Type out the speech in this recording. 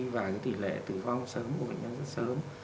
và tỷ lệ tử vong sớm của bệnh nhân rất sớm